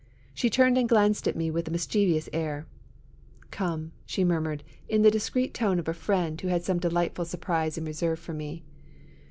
She turned and glanced at me with a mischievous air. ''Come," she murmured, in the discreet tone of a friend who had some delightful surprise in reserve for me.